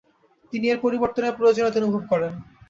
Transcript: তিনি এর পরিবর্তনের প্রয়োজনীয়তা অনুভব করেন।